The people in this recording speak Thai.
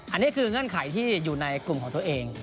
อันนี้คือเงื่อนไขที่อยู่ในกลุ่มของตัวเอง